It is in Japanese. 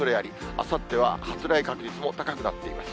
あさっては発雷確率も高くなっています。